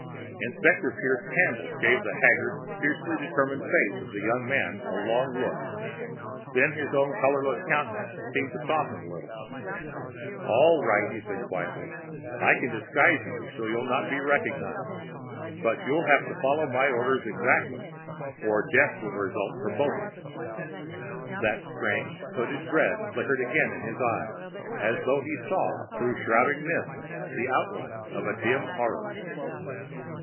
Inspector Pierce Campbell gave the haggard, fiercely determined face of the young man a long look, and then his own colorless countenance seemed to soften a little. "All right," he said quietly. "I can disguise you so you'll not be recognized. But you'll have to follow my orders exactly, or death will result for both of us." That strange, hooded dread flickered again in his eyes, as though he saw through shrouding mists the outline of dim horror.